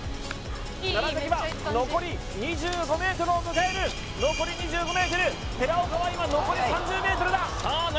楢は残り２５ｍを迎える残り２５ｍ寺岡は今残り３０ｍださあ